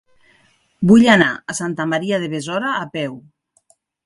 Vull anar a Santa Maria de Besora a peu.